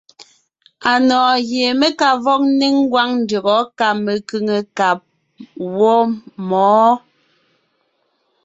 Anɔ̀ɔn gie mé ka vɔg ńnéŋ ngwáŋ ndÿɔgɔ́ kà mekʉ̀ŋekab wɔ́ɔ mǒ.